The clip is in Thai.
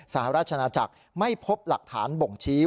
สหราชนาจักรไม่พบหลักฐานบ่งชี้